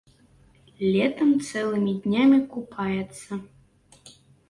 Летам цэлымі днямі купаецца.